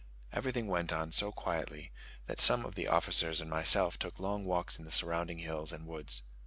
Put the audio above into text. Everything went on so quietly that some of the officers and myself took long walks in the surrounding hills and woods.